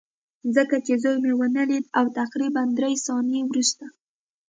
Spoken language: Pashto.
ځکه چې زوی مې ونه لید او تقریبا درې ثانیې وروسته